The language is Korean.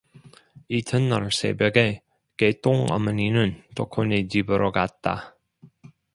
이튿날 새벽에 개똥 어머니는 덕호네 집으로 갔다.